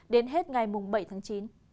đến hết ngày bảy tháng chín